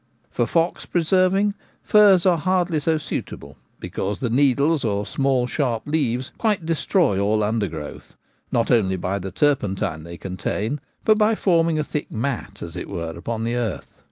For fox preserving firs are hardly so suitable, because the needles, or small sharp leaves, quite destroy all under growth — not only by the turpentine they contain, but by forming a thick mat, as it were, upon the earth.